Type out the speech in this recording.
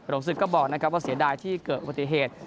รองสุข่วงอย่างเสนอก็บอกว่าเสียดายที่เกิดปฏิเหตุ